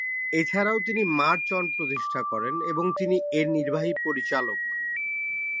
এছাড়াও তিনি March On প্রতিষ্ঠা করেন, এবং তিনি এর নির্বাহী পরিচালক।